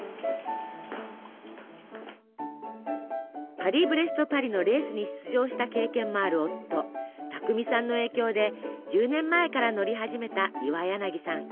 「パリ・ブレスト・パリ」のレースに出場した経験もある夫巧さんの影響で１０年前から乗り始めた岩柳さん。